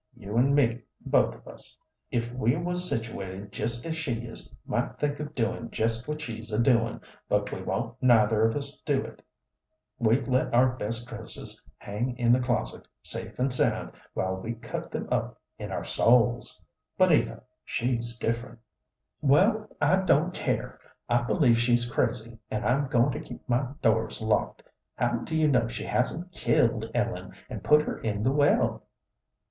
You and me, both of us, if we was situated jest as she is, might think of doin' jest what she's a doin', but we won't neither of us do it. We'd let our best dresses hang in the closet, safe and sound, while we cut them up in our souls; but Eva, she's different." "Well, I don't care. I believe she's crazy, and I'm going to keep my doors locked. How do you know she hasn't killed Ellen and put her in the well?"